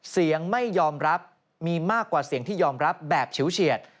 ไม่ยอมรับมีมากกว่าเสียงที่ยอมรับแบบฉิวเฉียด